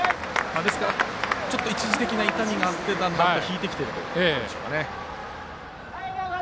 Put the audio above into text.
ですから、ちょっと一時的な痛みが出ていただけでだんだんと引いてきているということでしょうか。